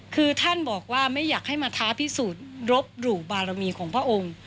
คือท่านบอกว่าไม่อยากให้มาท้าพิสูจน์รบหลู่บารมีของพระองค์